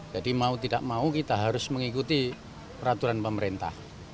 jadi mau tidak mau kita harus mengikuti peraturan pemerintah